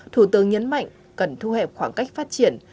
thủ tướng nhấn mạnh cần thu hẹp khoảng cách phát triển